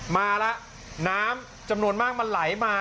มาแล้วน้ำจำนวนมากมันไหลมา